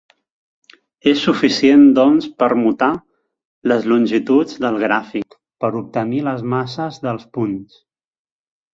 És suficient doncs permutar les longituds del gràfic per obtenir les masses dels punts.